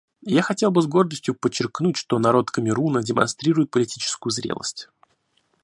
Я хотел бы с гордостью подчеркнуть, что народ Камеруна демонстрирует политическую зрелость.